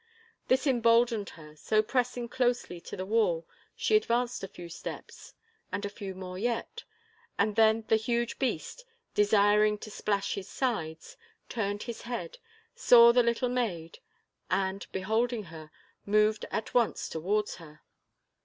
This emboldened her, so pressing closely to the wall, she advanced a few steps, and a few more yet, and then the huge beast, desiring to splash his sides, turned his head, saw the little maid, and, beholding her, moved at once towards her.